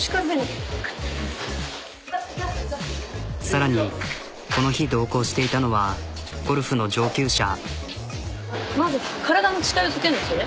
さらにこの日同行していたのはゴルフの上級者。